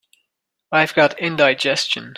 I've got indigestion.